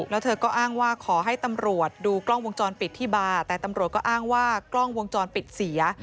แล้วเธอก็อ้างว่าขอให้ตำรวจดูกล้องวงจรปิดที่บาร์แต่ตำรวจก็อ้างว่ากล้องวงจรปิดเสีย